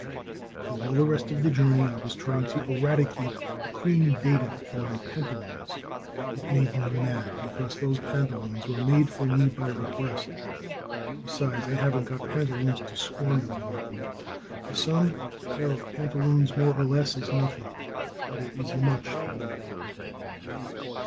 So all the rest of the journey I was trying to eradicate a cream dado from my pantaloons. It made me mad, because those pantaloons were made for me by request Besides, I haven't got pantaloons to squander in that way. To some a pair of pantaloons, more or less, is nothing, but it is much to me.